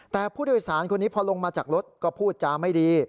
แต่ผู้โดยสารคนนี้พอลงมาจากรถก็พูดจาไม่ดี